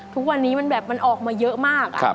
ทุกวันนี้มันแบบมันออกมาเยอะมาก